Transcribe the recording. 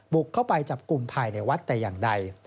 บุกเข้าไปจับกลุ่มภายในวัดแต่อย่างใด